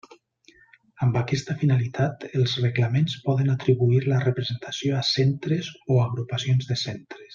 Amb aquesta finalitat, els reglaments poden atribuir la representació a centres o agrupacions de centres.